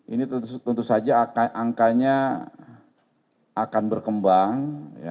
ini tentu saja angkanya akan berkembang